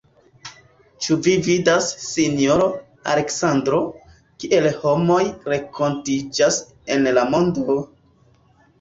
Ĉu vi vidas, sinjoro Aleksandro, kiel homoj renkontiĝas en la mondo!